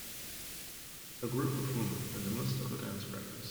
A group of women in the mist of a dance practice.